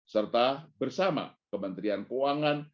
serta bersama kementerian keuangan